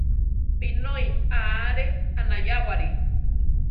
Binói aáre anayáwari.